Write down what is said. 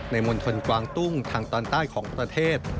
มณฑลกวางตุ้งทางตอนใต้ของประเทศ